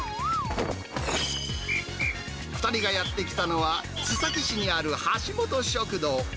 ２人がやって来たのは、須崎市にある橋本食堂。